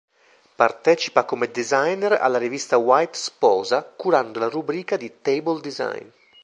Partecipa come "designer" alla rivista "White Sposa", curando la rubrica di "table design".